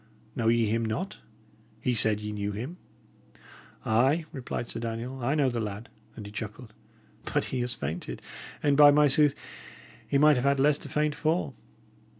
Know ye him not? He said ye knew him!" "Ay," replied Sir Daniel, "I know the lad;" and he chuckled. "But he has fainted; and, by my sooth, he might have had less to faint for!